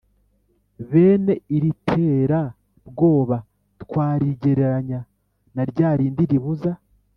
bene iritera-bwoba twarigereranya na rya rindi ribuza